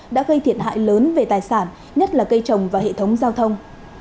đã gây thiệt hại lớn về tài sản nhất là cây trồng và hệ thống giao thông